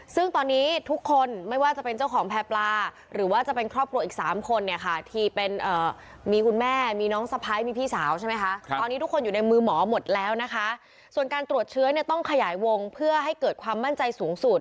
ซึ่งตอนนี้ทุกคนไม่ว่าจะเป็นเจ้าของแพร่ปลาหรือว่าจะเป็นครอบครัวอีก๓คนเนี่ยค่ะที่เป็นมีคุณแม่มีน้องสะพ้ายมีพี่สาวใช่ไหมคะตอนนี้ทุกคนอยู่ในมือหมอหมดแล้วนะคะส่วนการตรวจเชื้อเนี่ยต้องขยายวงเพื่อให้เกิดความมั่นใจสูงสุด